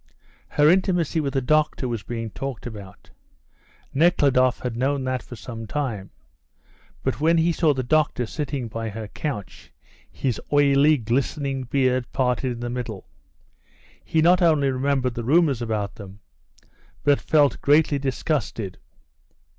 Her intimacy with the doctor was being talked about. Nekhludoff had known that for some time; but when he saw the doctor sitting by her couch, his oily, glistening beard parted in the middle, he not only remembered the rumours about them, but felt greatly disgusted.